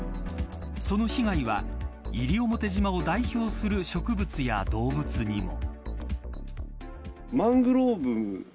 その被害は西表島を代表する植物や動物にも。